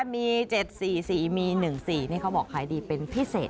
มี๗๔๔มี๑๔นี่เขาบอกขายดีเป็นพิเศษ